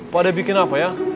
pak d bikin apa ya